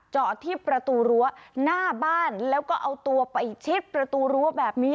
จอดที่ประตูรั้วหน้าบ้านแล้วก็เอาตัวไปชิดประตูรั้วแบบนี้